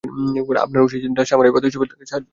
আপনার কি উচিত না সামুরাই শপথ হিসেবে তাকে সাহায্য করা?